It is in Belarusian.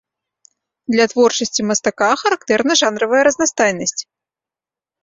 Для творчасці мастака характэрна жанравая разнастайнасць.